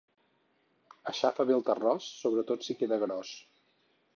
Aixafa bé el terròs, sobretot si queda gros.